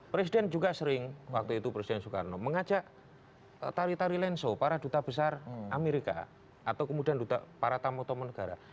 presiden juga sering waktu itu presiden soekarno mengajak tari tari lenso para duta besar amerika atau kemudian para tamu tamu negara